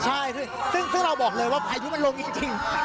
ใช่ซึ่งเราบอกเลยว่าพายุมันลงจริง